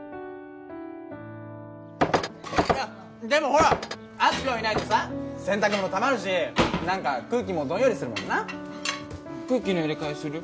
でもほらあすぴょんいないとさ洗濯物たまるし何か空気もどんよりするもんな空気の入れ替えする？